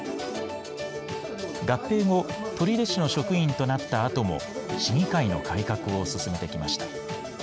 合併後、取手市の職員となったあとも、市議会の改革を進めてきました。